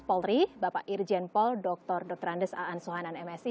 polri bapak irjen pol dr dr randes a ansuhanan msi